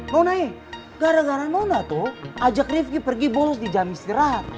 lo naik gara gara mona tuh ajak ripki pergi bolos di jam istirahat